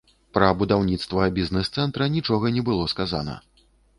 Пра будаўніцтва бізнес-цэнтра нічога не было сказана.